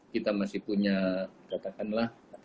kita masih punya katakanlah